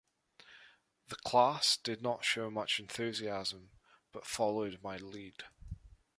The class did not show much enthusiasm but followed my lead...